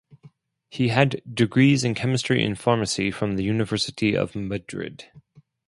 He had degrees in Chemistry and Pharmacy from the University of Madrid.